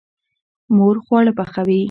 مور خواړه پخوي.